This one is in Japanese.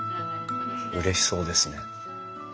うれしそうですね。